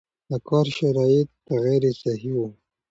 د کار شرایط غیر صحي وو